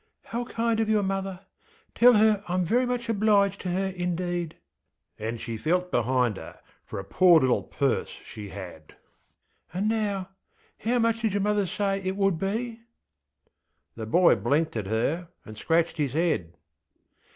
How kind of your mother! Tell her IŌĆÖm very much obliged to her indeed. ŌĆÖ And she felt behind her for a poor little purse she had. ŌĆśAnd nowŌĆöhow much did your mother say it would be? ŌĆÖ The boy blinked at her, and scratched his head.